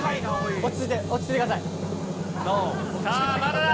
落ち着いて、落ち着いてくだノー。